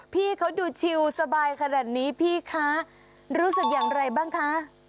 พี่เขาดูชิลสบายขนาดนี้พี่คะรู้สึกอย่างไรบ้างคะ